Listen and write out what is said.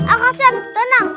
angka sem tenang